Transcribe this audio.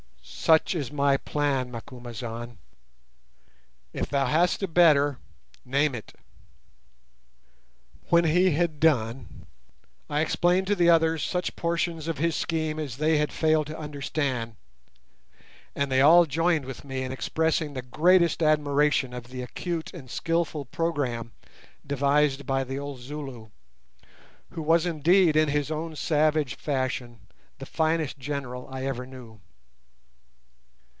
Such is my plan, Macumazahn; if thou hast a better, name it." When he had done, I explained to the others such portions of his scheme as they had failed to understand, and they all joined with me in expressing the greatest admiration of the acute and skilful programme devised by the old Zulu, who was indeed, in his own savage fashion, the finest general I ever knew.